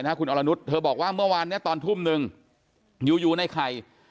คุณอรนุษย์เธอบอกว่าเมื่อวานนี้ตอนทุ่มนึงอยู่ในไข่